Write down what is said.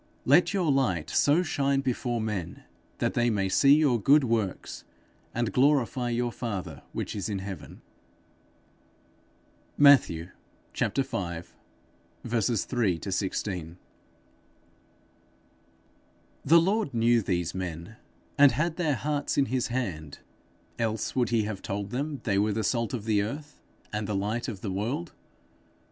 Let your light so shine before men, that they may see your good works, and glorify your father which is in heaven.' Matthew v. 3 16. The Lord knew these men, and had their hearts in his hand; else would he have told them they were the salt of the earth and the light of the world?